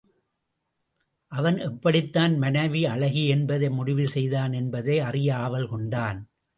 அவன் எப்படித் தன் மனைவி அழகி என்பதை முடிவு செய்தான் என்பதை அறிய ஆவல் கொண்டான்.